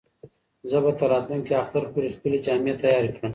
زه به تر راتلونکي اختر پورې خپلې جامې تیارې کړم.